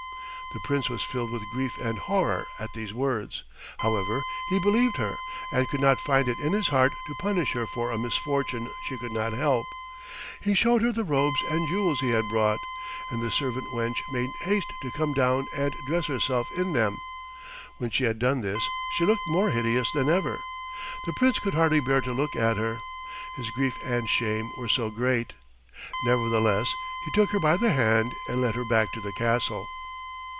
The Prince was filled with grief and horror at these words. However, he believed her and could not find it in his heart to punish her for a misfortune she could not help. He showed her the robes and jewels he had brought, and the servant wench made haste to come down and dress herself in them. When she had done this she looked more hideous than ever. The Prince could hardly bear to look at her, his grief and shame were so great. Nevertheless he took her by the hand and led her back to the castle.